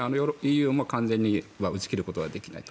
ＥＵも完全には打ち切ることはできない。